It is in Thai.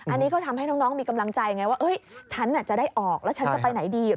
อันนี้ก็ทำให้น้องมีกำลังใจไงว่าฉันจะได้ออกแล้วฉันจะไปไหนดี